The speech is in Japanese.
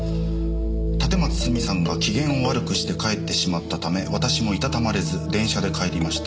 「立松スミさんが機嫌を悪くして帰ってしまったため私もいたたまれず電車で帰りました」